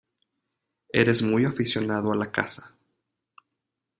eres muy aficionado a la caza